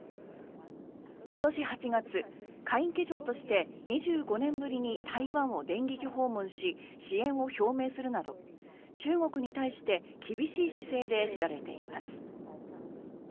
今年８月下院議長として２５年ぶりに台湾を電撃訪問し支援を表明するなど中国に対して厳しい姿勢で知られています。